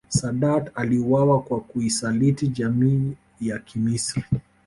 Saadat aliuawa kwa kuisaliti jamii ya Kimisri